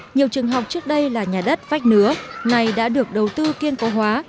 nhiều trường học trước đây là nhà đất vách nứa này đã được đầu tư kiên cố hóa